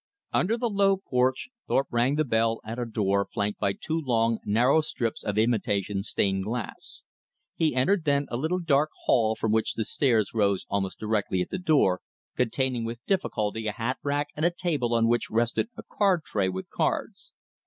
Under the low porch Thorpe rang the bell at a door flanked by two long, narrow strips of imitation stained glass. He entered then a little dark hall from which the stairs rose almost directly at the door, containing with difficulty a hat rack and a table on which rested a card tray with cards.